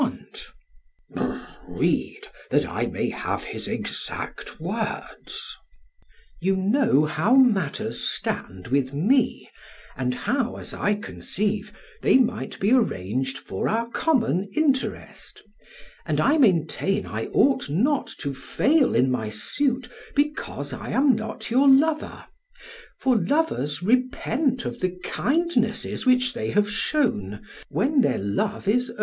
SOCRATES: Read, that I may have his exact words. PHAEDRUS: 'You know how matters stand with me, and how, as I conceive, they might be arranged for our common interest; and I maintain I ought not to fail in my suit because I am not your lover, for lovers repent of the kindnesses which they have shown, when their love is over.'